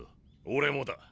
俺もだ。